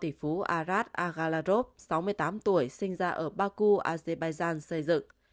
tỷ phú arad agalarov sáu mươi tám tuổi sinh ra ở baku azerbaijan xây dựng